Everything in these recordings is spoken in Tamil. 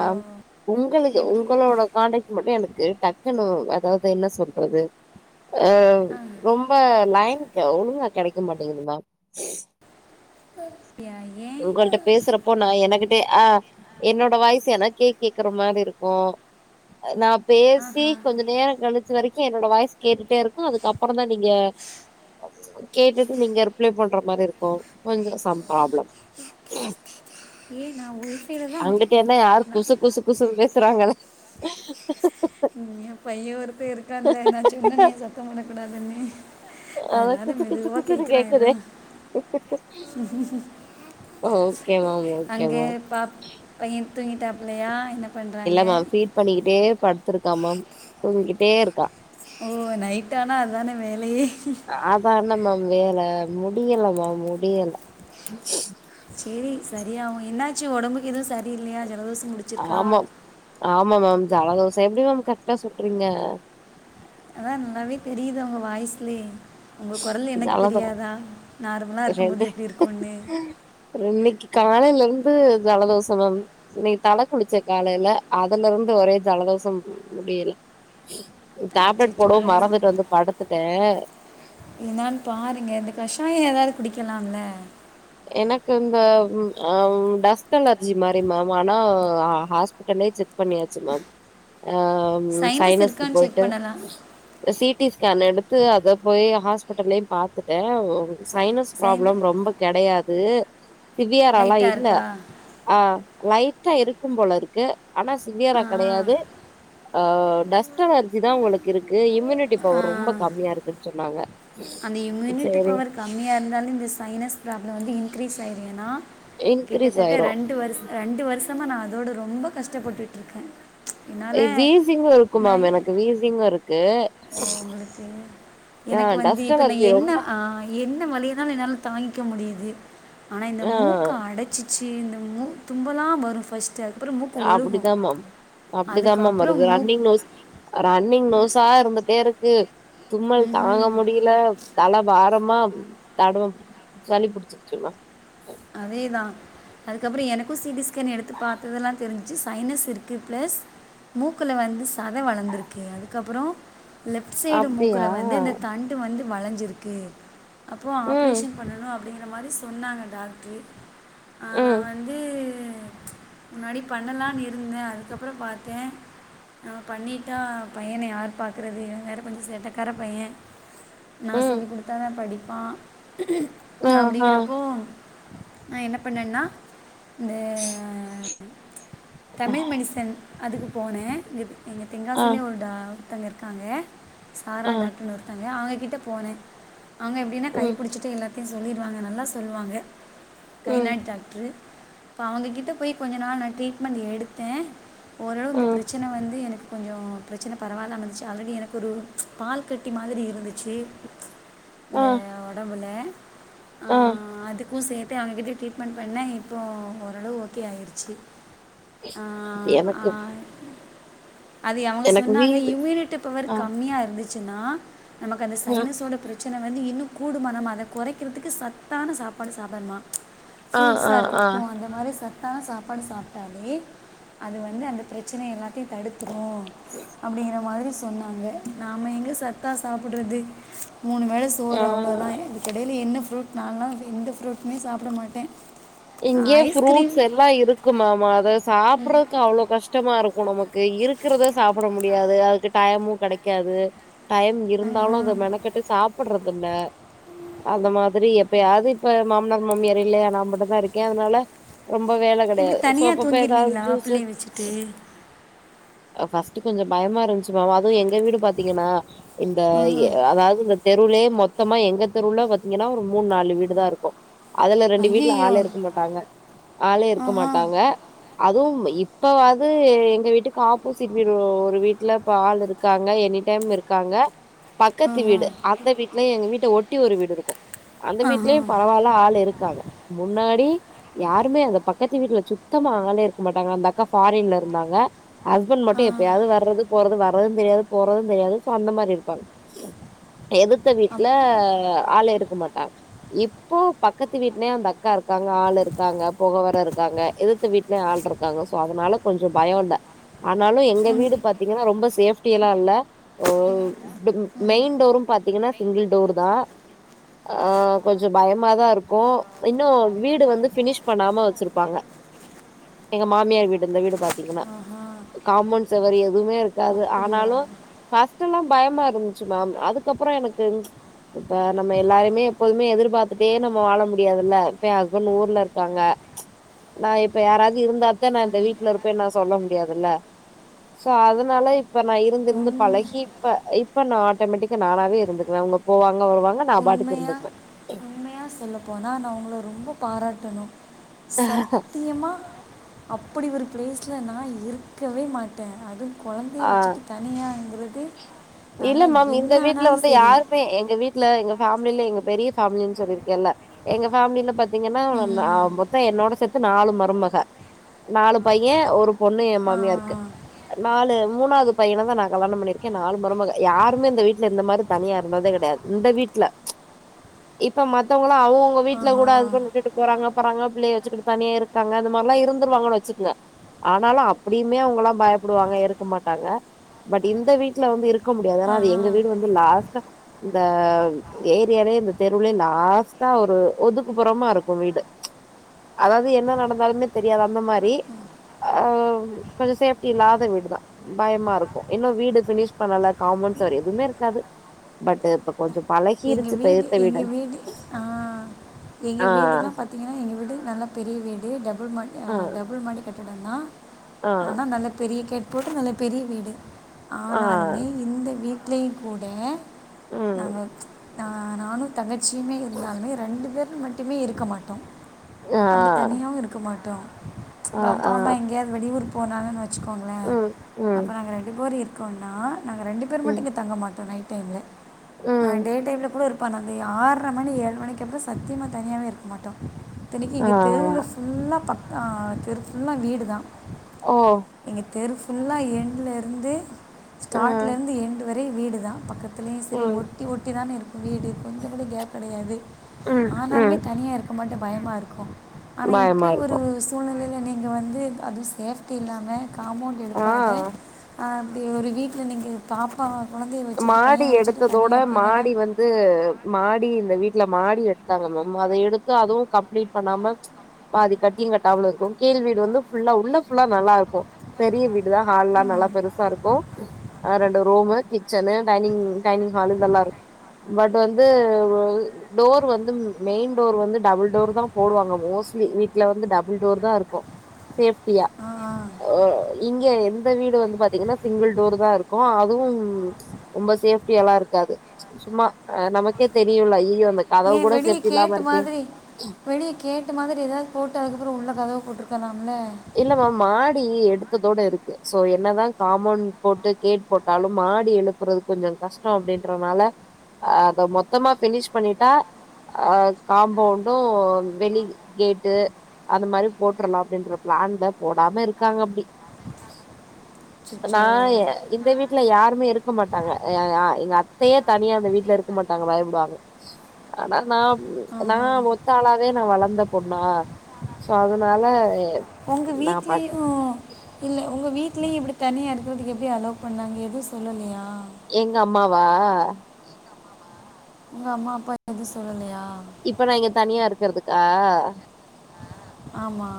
ஹலோ ஆம் உங்களுது எப்படி உங்களோட கான்டக்ட் மட்டு எனக்கு டக்குனு அதாவ்து என்ன சொல்றது அ ஆ ரொம் ப லைன்க்கு ஒழுங்கா கெடைக்க மாட்டேங்குது மேம் டியா ஏ உங்கள்ட்ட பேசறப்போ நா எனகிட்டேயே ஆ என்னோட வாய்ஸ் எனக்கே கேக்குற மாரி இருக்கு அ நா பேசி ஆஹா கொஞ்சொ நேரோ கழி ச்சு வரைக்கு என்னோட வாய்ஸ் கேட்டுட்டே இருக்கு அதுக்கப்பறந்தா நீங்க கேட்டுட்டு நீங்க ரிப்ள பண்ற மாரிருக்கு கொஞ்சொ சம் ப்ராப்ளம் ஏன் நான் ஒய்ஃபைல தான் அங்கிட்ட என்னா யாரு நான் குசு குசு குசுனு பேசறாங்கள ம் எ பைய ஒருத்த இருக்கான்ல நா சொன்னனேயா சத்தம் போட கூடாதுன்னு அதா அதனால குசு குசு மெதுவா குசுன்னு கேக்குறா எதோ கேக்குதே ஓகே மேம் ஓகே அங்கே மேம் பாப் பைய தூங்கிட்டாப்பலையா என்ன பண்ணுறாங்க இல்ல மேம் ஃபீட் பண்ணிக்கிட்டே படுத்திருக்கா மேம் தூங்கிட்டே இருக்கா ஓ நைட்டானா அதான வேலயே அதான்ன மேம் வேல முடியல மேம் முடியல சேரி சரியாகு என்னாச்சு ஒடம்புக்கு எதுவு சரி இல்லியா ஜலதோஷ ஆமாம் ஆமா மேம் ஜாலதோஷொ எப்டி மேம் கரெக்டா சொல்றீங்க அதா நல்லாவே தெரியுது உங்க வாய்ஸ்லே உங்க குரல் எனக்கு ஜலதோ தெரியாதா நார்மலா இருக்கும்போது எப்டி இருக்குன்னு இன்னிக்கு காலைல இருந்து ஜலதோஷ மேம் இன்னி தல குளிச்ச காலைல அதுல இருந்து ஒரே ஜலதோசம் முடியல டேப்லெட் அச்சோ போடவு மறந்துட்டு வந்து படுத்துட்டே என்னான்னு பாருங்க இந்த கஷாயொ எதாவ்து குடிக்கலாம்ல எனக்கு இந்த ம் அ டஸ்ட் அலர்ஜி மாரி மேம் ஆனா ஹா ஹாஸ்பிட்டல்லே செக் பண்ணியாச்சு மேம் ஆம் சைனஸ் சைனஸ்கு இருக்கான்னு செக் பொய்ட்டூ பண்ணலாம் த சீ டி ஸ்கேன் எடுத்து அத போய் ஹாஸ்பிட்டல்லயு பாத்துட்டே ச சைனஸ் சைன் ப்ராப்ளம் ரொம்ப கெடையாதூ சிவியரால்லா லைட்டாக இல்ல இருக்கா ஆ லைட்டா இருக்கும்போலருக்கு ஆனா சிவியரா ஆ கெடையாது ஆ டஸ்ட் அலர்ஜிதா உங்களுக்கு இருக்கு இம்யூனிட்டி ஆ. பவர் ரொம்ப கம்மியாருக்குன் சொன்னாங்க அந்த இம்யூனிட்டி சேரி பவர் கம்மியா இருந்தாலு இந்த சைனஸ் ப்ராப்ளோ வந்து இன்கிரீஸ் ஆய்ரூ ஏனா இன்கிரீஸ் கிட்டத்தட்ட ஆயிரு ரெண்டு வருஷ் ரெண்டு வருஷமா நா அதோட ரொம்ப கஷ்டப்பட்டுட்ருக்கே வீசிங்கு இருக்கு மேம் எனக்கு வீசிங்கு இருக்கூ எனக்கு வந்து டஸ்ட் இப்ப நா அலர்ஜி என்ன ரொம்ப ஆ என்ன வலியதானு என்னால தாங்கிக்க முடியுது ஆனா இந்த ஆ மூக்கு அடச்சி சு இந்த மு தும்பலா வரு ஃபர்ஸ்ட் டு அப்பறொ மு அப்படிதா மேம் அப்டிதா மேம் வருது அதுக்கப்புறம் மூக் ரன்னிங் நோஸ் ரன்னிங் நோசா இருந்துட்டே இருக்கு தும்மல் தாங்க ம் முடியல தலபாரமா தடுமம் சளி புடிச்சிகிச்சு மேம் அதேதா அதுக்கப்பறோ எனக்கு சி டி ஸ்கேன் எடுத்து பாத்ததுலா தெரிஞ்ச்சி சைனஸ் இருக்கு பிளஸ் மூக்குல வந்து சத வளந்துருக்கு அதுக்கப்பறோ லெஃப்ட் சைடு அப்டியா மூக்குல வந்து அந்த தண் டு வந்து வளஞ்சிருக்கு அப்போ ம் ஆப்ரேஷன் பண்ணணு அப்டிங்ற மாரி சொன்னாங்க டாக் ட்ரூ ஆ நா ம் வந்தூ முன்னாடி பண்ணலான் இருந்தே அதுக்கப்பறோ பாத்தே நா பண்ணிட்டா பையன யார் பாக்குறது இவ வேற கொஞ்சொ சேட்டக்கார பையே நா ம் சொல்லி குடுத்தாதா படிப்பா ஆ ஆ அப்டிங்குறப்போ நா என்ன பண்ணன்னா இந்த தமிழ் மெடிசன் அதுக்கு போனே இது எங்க ஆ தெங்காசிலே ஒரு டா ஒருத்தங்க இருக்காங்க சாரா ஆ டாக்டர்னு ஒரு தங்க அவங்ககிட்ட போனே அவங்க எப்டினா ம் கையப்புடிச்சிட்டே எல்லாத்தையு சொல்லிடுவாங்க நல்லா சொல்லுவாங்க ம் கைநாட் டாக்ட்ரூ இப்பொ அவங்ககிட்ட போய் கொஞ்ச நாள் நா ட்ரீட்மெண்ட் எடுத்தே ஓரளவு இந்த ம் பிரச்சன வந்து எனக்கு கொஞ்சோ பிரச்சன பரவால்லாம இருந்துச்சி ஆல்ரெடி எனக்கு ஒரு பால் கட்டி மாதிரி இருந்துச்சீ ஆ இந்தே ஒடம்புல ஆ ஆஹ் அதுக்கூ சேத் தூ அவங்ககிட்ட ட்ரீட்மெண்ட் பண்ண இப்போ ஓரளவு ஓகே ஆயிருச்சி எனக்கு அதி அவங்க எனக்கு வீ சொன்னாங்க இம்யூனிட்டி பவர் ஆ கம்மியா இருந்துச்சுன்னா நமக்கு அந்த ஆ சைனஸோட பிர ச்சன வந்து இன்னு கூடுமா நம்ம அத கொறைக்கிறதுக்கு சத்தான சாப்பாடு சாப்டனுமா ஆ ஃப்ரூட்சா ஆ ஆ இருக்கட்டூ அத மாரி சத்தான சாப்பாடு சாப்டாலே அது வந்து அந்த பிரச்சன எல்லாத்தயு தடுத்துரூ [unintelligible] அப்டிங்கிற மாதிரி சொன்னாங்க நாம எங்க சத்தா சாப்புட்றது மூணு வேலஸ் சோறு ஆ அவ்ளோதா இதுக்கெடைல என்ன ஃப்ரூட் நாலா எந்த ஃப்ரூட்மே சாப்புட மாட்டே இங்கயே ஃப்ரூட்ஸ் எல்லா இருக்குமாமா அத சாப்புட்றக்கு அவ்ளோ கஷ் டமா இருக்கு நமக்கு இருக்குறத சாப்புட முடியாது அதுக்கு டைமூ கெடைக்காது டைம் இ இருந்தாலூ அத மெனக்கெட்டு சாப் புட்றதில்ல அந்த மாதிரி எப்பயாது இப்ப மாமனார் மாமியார் இல்லையா நாமட்டந்தா இருக் கே அதனால ரொம்ப வேல இப்படி கெடையாது சோ தனியாக அப்பப்ப ஏதாவது தூங்கிடுவீங்களா ஜூஸூ பிள்ளைய வச்சுட்டு அ ஃபஸ்ட்டு கொஞ்சொ பயமா இருந்துச்சு மேம் அதுவு எங்க வீடு பாத்திங்கன்னா இந்த எ அதாது இந்த தெருளே மொத்தமா எங்க தெருல பாத்தீங்கன்னா ஒரு மூணு நாலு வீடு தான் இருக்கும் அதுல ரெண்டு வீட்ல ஐயோ ஆள் இருக்கும் மாட்டாங்க ஆளே இருக்க ஆஹா மாட்டாங்க அதுவும் இப்பவாது எங்க வீட்டுக்கு ஆப்போசிட் வீடு ஒரு வீட்டுல இப்ப ஆள் இருக்கு இருக்காங்க எனி டைம் இருக்காங்க பக்கத்து ஆஹா வீடு அந்த வீட்ல எங்க வீட்ட ஒட்டி ஒரு வீடு இருக்கும் அந்த ஆஹா வீட்லயும் பரவாயில்ல ஆள் இருக்காங்க முன்னாடி யாருமே அந்த பக்கத்து வீட்டுல சுத்தமா ஆளே இருக்க மாட்டாங்க அந்த அக்கா ஃபாரின்ல இருந்தாங்க ஹஸ்பண்ட் ஆ மட்டும் எப்பயாது வர்றது போறது வ வர்றதும் தெரியாது போறதும் தெரியாது சோ அந்த மாரி இருப்பாங்க எதுத்த வீட்டுல அப் ஆளே இருக்க மாட்டாங்க இப்போ பக்கத்து வீட்லயு அந்த அக்கா இருக்காங்க ஆள் இருக்காங்க போக வர இருக்காங்க எதிர்த்த வீட்லயும் ஆள் இருக்காங்க சோ அதனால கொஞ்சம் பயம் இல்ல ஆனாலும் எங்க உம். வீடு உம். பாத்தீங்கன்னா ரொம்ப சேஃப்டி எல்லாம் இல்ல ஓ மெயின் டோரும் பாத்தீங்கன்னா சிங்கிள் டோர் தா ஆ கொஞ்சம் பயமாதான் இருக்கும் இன்னும் வீடு வந்து பினிஷ் பண்ணாம வச்சிருப்பாங்க எங்க மாமியார் வீடு இருந்த வீடு பாத்தீங்கன்னா ஆஹா காம்பவுண்ட் சுவர் எதுவுமே இருக்கு இருக்காது அப்படியா ஆனாலும் ஃபர்ஸ்ட் எல்லாம் பயமா இருந்துச்சு மேம் அதுக்கப்புறம் எனக்கு இப்ப நம்ம எல்லாருமே எப்போதுமே எதிர்பார்த்துட்டே நம்ம வாழ முடி முடியாதுல்ல இப்ப என் ஹஸ்பண்ட் ஊர்ல இருக்காங்க நா இப்ப யாராவது இருந்தா தா நா இந்த வீட்ல இருப்பே நா சொல்ல முடியாதுல்ல சோ அதனால இப்ப நா இருந்து இருந்து உண்மை பழகி இப்ப இப்ப நா ஆட்டோமேட்டிக்கா நானாவே இருந்துக்குவ அவுங்க போவாங்க வருவாங்க நா பாட்டுக்கு உண்மையா இருந்துக்குவே உண்மையா சொல்ல போனா நா உங்கள ரொம்ப பாராட்டணும் சத்தியமாக அப்படி ஒரு ப்ளேஸ்ல நா இருக்கவே மாட்டேன் அதுவும் கொழந்தைய ஆ வச்சுட்டு தனியாங்குறது இல்ல மேம் இந்த வீட்டுல வந்து யாருமே எங்க வீட்டுல எங்க ஃபேமிலில எங்க பெரிய ஃபேமிலின்னு சொல்லியிருக்கேல்ல எங்க ஃபேமிலில பாத்தீங்கன்னா ம் மொத்தம் என்னோட சேத்து நாலு மருமக நாலு பையன் ஒரு பொண்ணு என் ஆ மாமியாருக்கு நாலு மூணாவது பையனதா நா கல்யாணம் பண்ணிருக்கேன் நாலு மருமக யாருமே இந்த வீட்டுல இந்த மாரி தனியா இருந்ததே கிடையாது இந்த வீட்டுல இப்ப மத்தவுங்களா அவுங்கவுங்க வீட்ல ஆஹா கூட ஹஸ்பண்ட் விட்டுட்டு போறாங்க பாறாங்க பிள்ளைய வச்சுட்டு தனியா இருக் காங்க அந்த மாதிரில்லாம் இருந்துருவாங்கன்னு வச்சுக்குங்க ஆனாலும் அப்படியுமே அவுங்கல்லாம் பயப்படுவாங்க இருக்க மாட்டாங்க பட் இந்த வீட் டுல வந்து இருக்க முடியாது ஏனா அது எங்க ஆஹா வீடு வந்து லாஸ்ட்டா இந்த ஏரியாலயே இந்த தெருவுலயே லாஸ்டா ஒரு ஒதுக்குப்புறமா இருக்கும் வீடு அதாவது என்ன நடந்தாலுமே தெரியாது அந்த மாரி ஆ கொஞ்சம் சேஃப்டி இல்லாத வீடு தா பயமா இருக்கும் இன்னும் வீடு பினிஷ் பண்ணல காம்பவுண்ட் சுவர் எதுவுமே இருக்காது பட் கொஞ்சோ பழ எங்க வீடு எங்க வீடு ஆ எங்க ஆ வீட்டுலா பாத் தீங்கன்னா எங்க வீடு நல்லா பெரிய வீடு டபுள் மா ஆ டபுள் மாடி கட்டடம் தா ஆ ஆனா நல்ல பெரிய கேட் போட்டு நல்ல பெரிய வீடு ஆ ஆனாலுமே இந்த வீட்லயும் கூட ம் நாங்க நா நானும் தங்கச்சியுமே இருந்தாலுமே ரெண்டு பேர் மட்டுமே இருக்க மாட்டோம் ஆ அப்டி தனியாவு இருக்க மாட்டோ இப்ப ஆ அப்பா ஆ அம்மா எங்கயாவது வெளியூர் போனாங்கன்னு வெச் ச்சுக்கோங்களே ம் ம் அப்ப நாங்க ரெண்டு பேரும் இருக்கோன்னா நாங்க ரெண்டு ரெண்டு பேரு மட்டு ம் இங்க தங்க மாட்டோ நைட் டைம்ல அ ம் டே டைமில் கூட இருப்போ அந்த ஆற்ர மணி ஏழு மணிக்கு அப்புறோ சத்தியமா தனியாவே இருக்க மாட்டோ இத்தனிக்கு ஆ எங்க தெருவுல ஃபுல்லா பக்கா அ தெரு ஃபுல்லா வீடு தா ஓ எங்க தெரு ஃபுல்லா எண்ட்ல இருந்து ம் ஸ்டார்ட்ல இருந்து எண்டு வரேயு வீடு தா பக்கத் பக்கத்துலயு செஎரி ம் ஒட்டி ஒட்டி தானே இருக்கு வீடு கொஞ்சோ கூட காப் கெடையாது ம் ஆனாலுமே ம் தனியா இருக்க மாட்டோ பயமா இருக்கோ ஆனா இப்டி பயமா ஒரு இருக்கு சூ ழ்நெலையில நீங்க வந்து அதுவு சேஃப்டி இல்லாம காம்பௌண்ட் எழுப்பாத ஆ அப்டி ஒரு வீட்ல நீங்க பாப்பாவ கொழந்தைய வெச்சுகிட்டு மாடி பையன வெச்சுகிட்டு எடுத்ததோட தனியா மாடி வந்து மாடி இந்த வீட்ல மாடி எடுத்தாங்க மேம் அத எடுத்து அதுவு கம்ப்ளீட் பண்ணாம பாதி கட்டியு கட்டாமலு இருக்கோ கீழ்வீடு வந்து ஃபுல்லா உள்ள ஃபுல்லா நல்லா இருக்கோ பெரிய வீடுதா ஹால்லா நல்லா ம். பெருசா இருக்கோ அ ரெண்டு ரூமு கிச் கிச்சனு டைனிங் டைனிங் ஹாலு இதெல்லா இருக் பட் வந்து டோர் வந்து மெயின் டோர் வந்து டபுள் டோரு தா போடுவாங்க மோஸ்ட்லி வீட்ல வந்து டபுள் டோர் தா இருக்கோ சேஃப்டியா ஆ ஆ அ இங்க எந்த வீடு வந்து பாத்தீங்கன்னா சிங்கிள் டோர்தா இருக்கோ அதுவு ரொம்ப சேஃப்டியாலா இருக்காது சும்மா அ நமக்கே தெரியோல அய்யய்யோ நம்ம ஏ வெளிய கேட்டு மாதிரி வெளிய கேட்டு மாதிரி எதயாவது போட்டு அதுக்கப்புறோ உள்ள கதவு போட்டருக்கலாம்ல இல்லம்மா மாடி எடுத்ததோட இருக்கு சோ என்னதா காம்பௌண்ட் போட்டு கேட் போட்டாலு மாடி எழுப் பறது கொஞ்சோ கஷ்டோ அப்டீன்றனால அ அத மொத்தமா ஃபினிஷ் பண்ணிட்டா அ காம்பௌண்டோ வெளி கேட்டு அந்த மாதிரி போட்றலா அப்டீன்ற ப்ளான்தா போடாம இருக்காங்க அப்டி நா சுச்சோ ஏ இந்த வீட்ல யாருமே இருக்க மாட்டாங்க எ எ ய எங்க அத்தையே தனியா அந்த வீட்ல இருக்க மாட்டாங்க பயப்படுவாங்க ஆனா நா நா ஆஹா ஒத்த ஆளாவே நா வளந்த பொண்ணா சோ அதனால உங்க நா பாட் வீட்லயு இல்ல உங்க வீட்லயு இப்டி தனியா இருக்கிறதுக்கு எப்டி அலோவ் பண்ணாங்க எதுவு சொல்லலையா எங்க அம்மாவா உங்க அம்மா அப்பா எதும் சொல்லலையா இப்ப நா இங்க தனியா இருக்கறதுக்கா ஆமா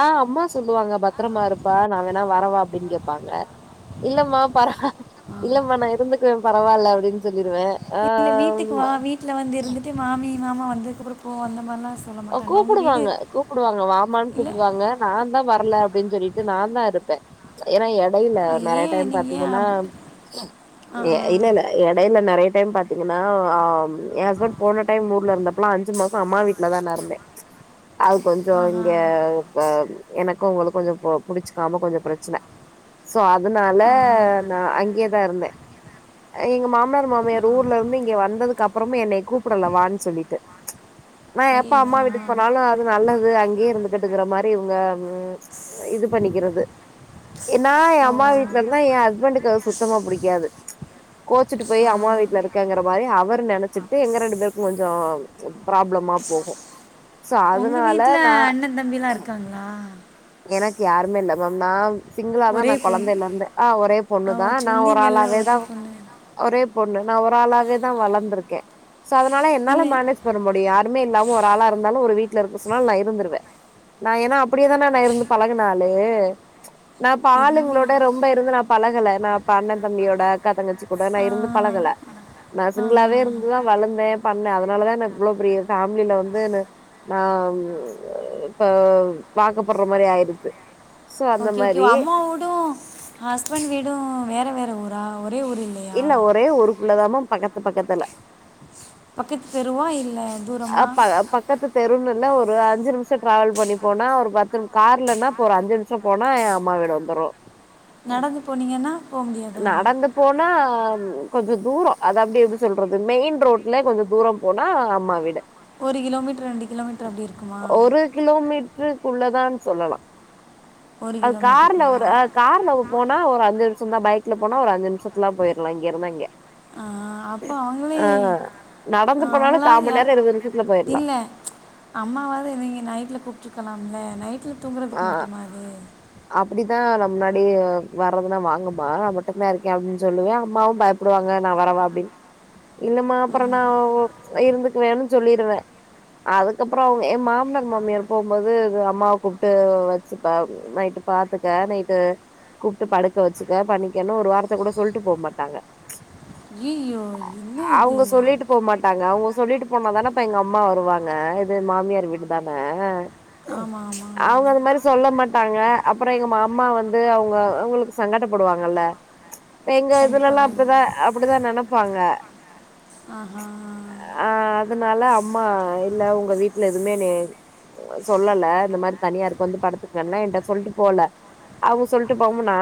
ஆ அம்மா சொல்லுவாங்க பத்தரமா இருப்பா நா வேண்ணா வரவா அப்டீன்னு கேப்பாங்க இல்லம்மா பரவால இல்லம்மா நா இருந்துக்குவே பரவால்ல அப்டீன்னு சொல்லிருவே இல்ல வீட்டுக்கு வா ஆ வீட்ல வந்து இருந்துட்டு மாமி மாமா வந்ததுக்கு அப்புறோ போ அந்த மாரிலா ஓ கூப்புடுவாங்க கூப்புடுவாங்க வாம்மான்னு இல்லை கூப்புடுவாங்க நாந்தா வர்ல அப்டீன்னு சொல்லிட்டு நாந்தா இருப்பே ஏன்னா எ டைல நறைய ஏன் டைம் நீங்கள் ஏன் பாத்தீங்கன்னா அப்படி ஆ ஏ ஆ இல்ல இல்ல எடையில நறைய டைம் பாத்தீங்கன்னா ஒ ஆ என் ஹஸ்பண்ட் போன டைம் ஊர்ல இருந்தப்பல்லா அஞ்சு மாசோ அம்மா வீட் ல தா நா இருந்தே அது கொஞ்சோ ஆஹா இங்க ப எனக்கு அவுங்களுக்கு கொஞ்சோ புடிச்சக்காம கொஞ்சோ பிரச்சன சோ அதனாலே ஆஹா ஆஹா நா அங்கேயேதா இருந்தே எங்க மாமனார் மாமியார் ஊர்ல இருந்து இங்க வந்ததுக்கு அப்பறமு என்னக் கூப்பிடலே வான்னு சொல்லிட்டு நா ஐயோ எப்ப அம்மா ஆ வீட்டுக்கு போனாலும அது நல்லது அங்கேயே இருந்துகிட்டுங்கிற மாதிரி இங்க உ இது பண்ணிக்கிறது ஏன்னா ஏ ஆ. ஓ அம்மா வீட் இல்லாட்னா ஏ ஹஸ்பண்டுக்கு அது சுத்தமா புடிக்காது கோச்சிட்டு போய் ஆ அம்மா வீட்டு்ல இருக்கேங்கிற மாதிரி அவர் நெனச்சிட்டு எங்க ரெண்டு பேருக்கும் கொஞ்சோ ப்ராப்ளமா போகும் சோ அதனால நா அண்ணே தம்பிலா இருக்காங்களா எனக்கு யாருமே இல்ல மேம் நா சிங்களாதா ஒரே நா பொண்ணு கொழந்தையில ருந்தே ஆ ஒரே ஓ பொண்ணுதா நா ஒரே சொன்னீங்கல்ல ஆளாவேதா ஒரே பொண்ணு ஒரே பொண்ணு நா ஒரு ஆளாவேதா வளர்ந்திருக்கே சோ அதனால என்னால இல்லை மேனேஜ் உக்கார முடியும் யாருமே இல்லாம ஒரு ஆளா இருந்தாலும் ஒரு வீட்ல இருக்க சொன்னாலு நா இருந்துவேன் நா ஏன்னா அப்படியேதான நா இருந்து பழகுன ஆளு நா ப்ப இருங்க ஆளுங்களோட ரொம்ப இருந்து நா பழகல நா அப்ப அண்ணே தம்பியோட அக்கா தங்கச்சி கூட நா ஆ இருந்து பழகல நா ஆஹா சிங்களாவே இருந்துதா வளர்ந்தேன் பண்ணேன் அதனாலதா எனக்கு இவ்வளவு பெரிய ஃபேமிலில வந்து நா இப்ப வாக்கப்படுற மாதிரி ஆயிருச்சு சோ அந்த ஓகே ஓகே மாரி அம்மா உடும் ஹஸ்பண்ட் வீடும் வேற வேற ஊரா ஒரே ஊர் இல் இல்ல ஒரே ஊருக்குள்ளதாம பக்கத்து பக்கத்துல பக்கத்து தெருவா இல்ல அப் ப பக் பக்கத்து தெருனு இல்ல ஒரு அஞ்சு நிமிஷோ டிராவல் பண்ணி போனா ஒரு பத்து கார்லனா இப்ப ஒரு அஞ்சு நிமி கொஞ்சோ போனா ‌ஏ அம்மா வீடு வந்துரு நடந்து போனீங்கன்னா போ முடியாதா நடந்து போனா கொஞ்சோ தூரோ அது அப்படி எப்படி சொல்றது மெயின் ரோட்லே கொஞ்சோ தூரோ போனா அம்மா வீடு ஒரு கிலோமீட்டர் ரெண்டு கிலோமீட்டர் அப்டி இருக்குமா கிலோமீட்டருக்குள்ளதான்னு சொல்லலா ஒரு அது கார்ல கிலோமீட்டருக்குள்ள ஒரு கார்ல போனா ஒரு அஞ்சு நிமிஷந்தா பைக்ல போனா ஒரு அஞ்சு நிமிஷத்லாம் போயிடலா இங்க இருந்து அங்கே ஆ அப்போ அவுங்களே நடந்து போனாலு அவங்களா காமண் யா நேரோ இருவது நிமிஷத்துல போயிரலா இல்ல அம்மாவாது இவுங்கே நைட்ல கூப்ட்டுற்க்கலாம்ல நைட்ல தூங்கறதுக்கு மட்டுமா இது அப்படிதா நம் முன்னாடி வர்றதுனா வாங்குமா நா மட்டும்தான் இருக்கே அப்டின்னு சொல்லுவே அம்மாவும் பய ப்படுவாங்க நா வரவா அப்படின்னு இல்லமா அப்பறோ நா இருந்துக்குவேன்னு சொல்லிடுவே அதுக்கப்றோ அவங் ஏ மாமனார் மாமியார் போம்போது அது அம்மாவ கூப் ட்டு வச்சுப்பே நைட்டு பாத்துக்க நைட்டு கூப்ட்டு படுக்க வச்சுக்க பண்ணிக்கன்னு ஒரு வார்த்த கூட சொல்ட்டு போக மாட்டாங்க ஐய்யய்யோ என்ன இது அவங்க சொல்லிட்டு போ மாட்டாங்க அவ்ங்க சொல்லிட்டு போனாதானப்பா எங்க அம்மா வருவாங்க இது மாமியார் வீடு தான ஆமா ஆமா ஆமா இவ்ங்க அந்த மாதிரி சொல்ல மாட்டாங்க அப்பறோ எங்க அம்மா வந்து அவங்க அவங்களுக்கு சங்கட்டப்படுவாங்கல்ல எங்க கண்டிப்பாக இதுலெல்லா அப்டிதா கண்டிப்பாக அப்படிதான் நெனப்பாங்க ஆ ஹான் ஆ அதுனால அம்மா இல்ல உங்க வீட்டுல எதுவுமே என்னெய சொல்லல இந்த மாதிரி தனியாருக்கு வந்து படுத்துக்கன்னுலா என்ட்ட சொல்லிட்டு போல அவுங்க சொல்லிட்டு போகாம நானு